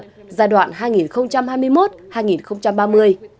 chương trình quốc gia hỗ trợ người khuyết tật giai đoạn hai nghìn hai mươi một hai nghìn ba mươi